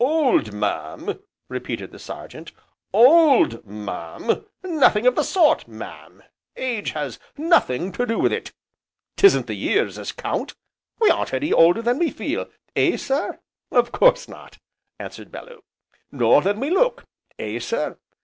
"Old, mam!" repeated the Sergeant, "old, mam! nothing of the sort, mam! Age has nothing to do with it. 'Tisn't the years as count. We aren't any older than we feel, eh, sir?" "Of course not!" answered Bellew. "Nor than we look, eh sir?"